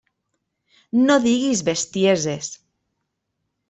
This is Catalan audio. No diguis bestieses.